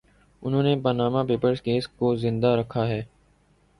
انھوں نے Panama papers case کو زندہ رکھا ہے۔